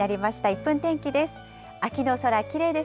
１分天気です。